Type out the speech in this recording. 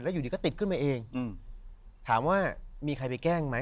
อยู่ดีก็ติดขึ้นมาเองถามว่ามีใครไปแกล้งไหม